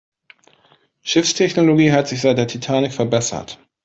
Schiffstechnologie hat sich seit der Titanic verbessert.